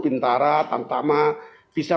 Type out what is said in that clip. pintara tamtama bisa